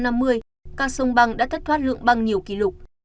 năm hai nghìn năm mươi các sông băng đã thất thoát lượng băng nhiều kỷ lục